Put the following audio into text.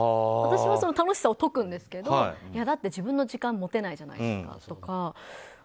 私はその楽しさを説くんですけどだって自分の時間を持てないじゃないですかとか。